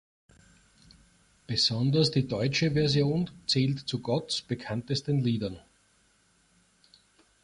Besonders die deutsche Version zählt zu Gotts bekanntesten Liedern.